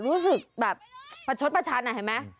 รู้สึกแบบประชดประชันเห็นไหม